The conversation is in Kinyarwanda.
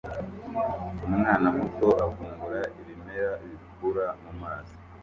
Umwana muto avumbura ibimera bikura mumazi